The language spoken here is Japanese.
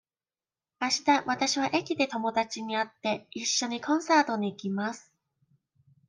あしたわたしは駅で友だちに会って、いっしょにコンサートに行きます。